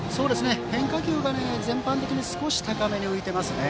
変化球が全般的に少し高めに浮いてますね。